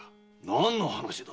何の話だ